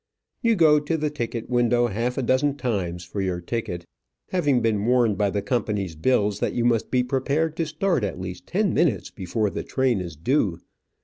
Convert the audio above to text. You go to the ticket window half a dozen times for your ticket, having been warned by the company's bills that you must be prepared to start at least ten minutes before the train is due.